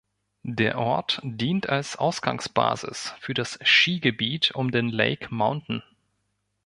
Der Ort dient als Ausgangsbasis für das Skigebiet um den Lake Mountain.